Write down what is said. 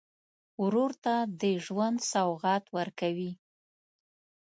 ورور ته د ژوند سوغات ورکوې.